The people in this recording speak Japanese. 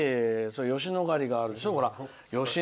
吉野ヶ里があるでしょ。